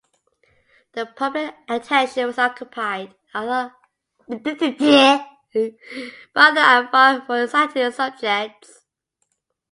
The public attention was occupied by other and far more exciting subjects.